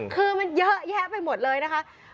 คือมันเยอะแยะไปหมดเลยนะคะ